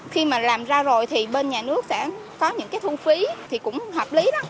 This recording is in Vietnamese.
khi mà làm ra rồi thì bên nhà nước sẽ có những cái thu phí thì cũng hợp lý đó